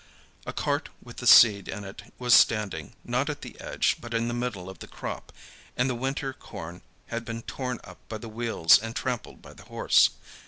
A cart with the seed in it was standing, not at the edge, but in the middle of the crop, and the winter corn had been torn up by the wheels and trampled by the horse.